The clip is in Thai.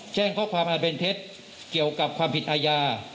แจ้งข้อความอันเป็นเท็จเกี่ยวกับความผิดอาญา